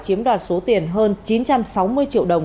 chiếm đoạt số tiền hơn chín trăm sáu mươi triệu đồng